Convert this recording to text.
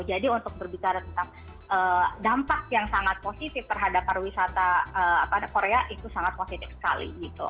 jadi untuk berbicara tentang dampak yang sangat positif terhadap pariwisata korea itu sangat positif sekali